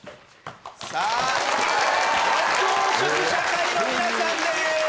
緑黄色社会の皆さんです！